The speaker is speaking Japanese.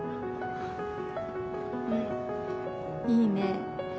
うん、いいね。